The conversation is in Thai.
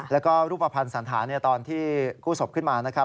แล้วก็รูปภัณฑ์สันธารตอนที่กู้สบขึ้นมา